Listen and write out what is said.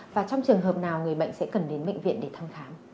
và trong trường hợp nào người bệnh sẽ cần đến bệnh viện để thăm khám